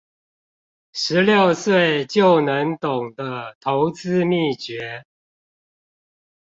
十六歲就能懂的投資祕訣